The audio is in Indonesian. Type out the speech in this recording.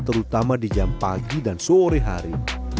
terutama di jam pagi dan sore hari